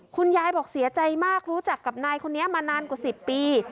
คุณยายบอกเสียใจมากรู้จักกับนายคนนี้มานานกว่า๑๐ปี